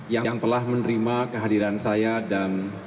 yang telah menerima kehadiran saya dan